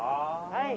はい。